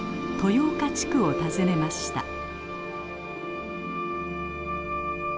豊岡地区を訪ねました。